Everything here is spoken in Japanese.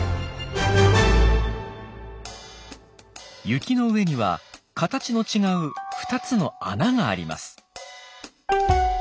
雪の上には形の違う２つの穴があります。